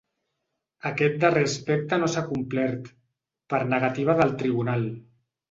Aquest darrer aspecte no s’ha complert, per negativa del tribunal.